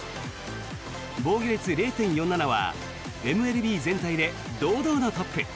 防御率０．４７はＭＬＢ全体で堂々のトップ。